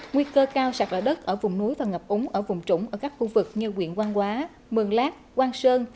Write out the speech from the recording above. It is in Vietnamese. nguy cơ cao sạc lỡ đất ở vùng núi và ngập úng ở vùng trũng ở các khu vực như quyện quang hóa mường lát quang sơn